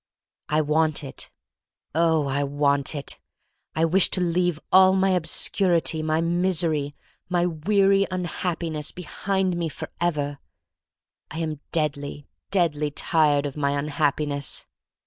I want it — oh, I want it! I wish to leave all my obscurity, my misery — my weary unhappiness — behind me forever. I am deadly, deadly tired of my un happiness.